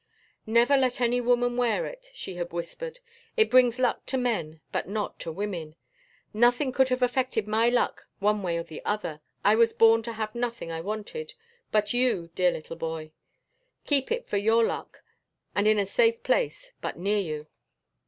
"Never let any woman wear it," she had whispered. "It brings luck to men but not to women. Nothing could have affected my luck one way or the other I was born to have nothing I wanted, but you, dear little boy. Keep it for your luck and in a safe place, but near you."